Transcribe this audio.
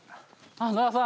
・野田さん。